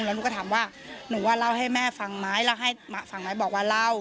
แล้วหนูก็ถามว่าหนูว่าเล่าให้แม่ฟังไหมแล้วให้มาฟังไหมบอกว่าเล่า